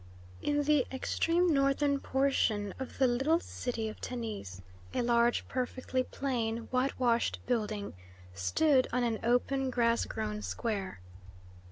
In the extreme northern portion of the little city of Tennis a large, perfectly plain whitewashed building stood on an open, grass grown square.